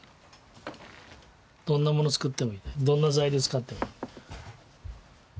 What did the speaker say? どんなものを作ってもいいどんな材料を使っても。